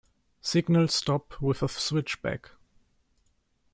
Signal stop with a switchback.